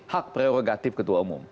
hak prerogatif ketua umum